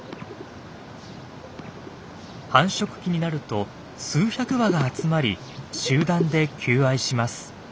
繁殖期になると数百羽が集まり集団で求愛します。